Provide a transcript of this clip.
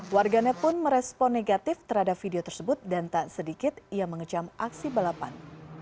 warganet pun merespon negatif terhadap video tersebut dan tak sedikit ia mengecam aksi balapan